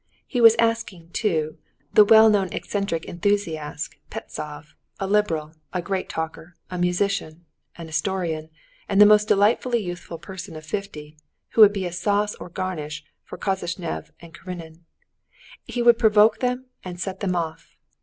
He was asking, too, the well known eccentric enthusiast, Pestsov, a liberal, a great talker, a musician, an historian, and the most delightfully youthful person of fifty, who would be a sauce or garnish for Koznishev and Karenin. He would provoke them and set them off.